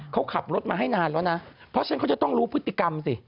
เขาขับรถมาให้นานแล้วนะเพราะฉะนั้นเขาจะต้องรู้พฤติกรรมสิ